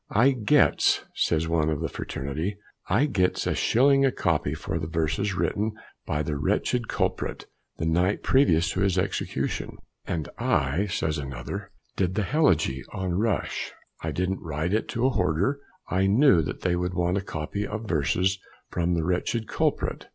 "I gets," says one of the fraternity, "I gets a shilling a copy for the verses written by the wretched culprit the night previous to his execution." "And I," says another, "did the helegy on Rush. I didn't write it to horder; I knew that they would want a copy of verses from the wretched culprit.